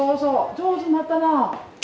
上手になったな。